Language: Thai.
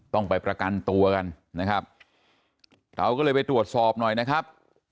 ต้องไปประกันตัวกันนะครับเราก็เลยไปตรวจสอบหน่อยนะครับ